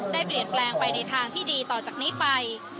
ได้เปลี่ยนแปลงไปในทางที่ดีต่อจากนี้ไป